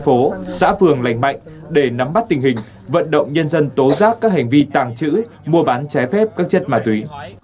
phố xã phường lành mạnh để nắm bắt tình hình vận động nhân dân tố giác các hành vi tàng trữ mua bán trái phép các chất ma túy